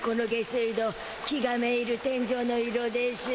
気がめいる天じょうの色でしゅ。